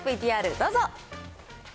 ＶＴＲどうぞ。